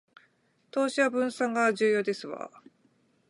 投資は分散が重要ですわ